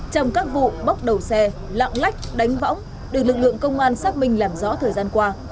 trong các vụ bóc đầu xe lạng lách đánh võng được lực lượng công an xác minh làm rõ thời gian qua